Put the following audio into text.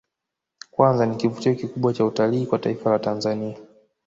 Kwanza ni kivutio kikubwa cha utalii kwa taifa la Tanzania